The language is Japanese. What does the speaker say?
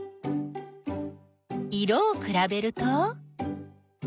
色をくらべると？